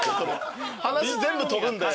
話全部飛ぶんで。